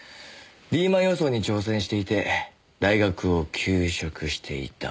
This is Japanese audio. リーマン予想に挑戦していて大学を休職していた。